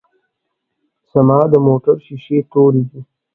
ځما دموټر شیشی توری دی.